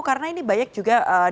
jadi itu ada yang melaporkan